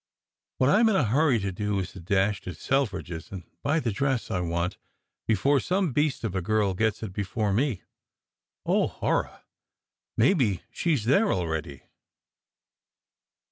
What I m in a hurry to do is to dash to Selfridge s, and buy the dress I want before some beast of a girl gets it before me. Oh, horror! Maybe she s there already!"